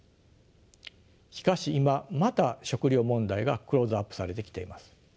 しかし今また食糧問題がクローズアップされてきています。